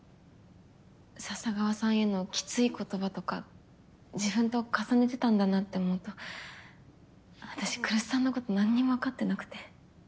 笹川さんへのきつい言葉とか自分と重ねてたんだなって思うと私来栖さんのこと何にもわかってなくて。